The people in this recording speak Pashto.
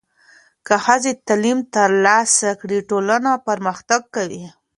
که ښځې تعلیم ترلاسه کړي، ټولنه پرمختګ کوي.